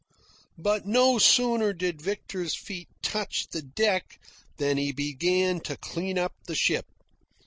But no sooner did Victor's feet touch the deck than he began to clean up the ship.